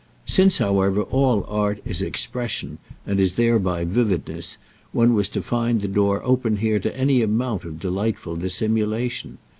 Since, however, all art is expression, and is thereby vividness, one was to find the door open here to any amount of delightful dissimulation.